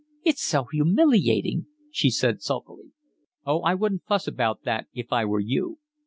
"It's so humiliating," she said sulkily. "Oh, I wouldn't fuss about that if I were you."